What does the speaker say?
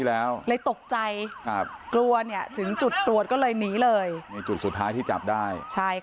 แล้วตกใจตรวจถึงจุดตรวจก็เลยหนีเลยจุดสุดท้ายที่จับได้